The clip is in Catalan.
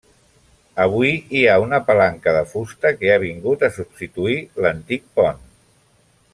Avui, hi ha una palanca de fusta que ha vingut a substituir l'antic pont.